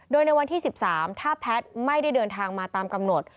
โดยในวันที่๑๓ถ้าแพทย์ไม่ได้เดินทางมาตามกำหนด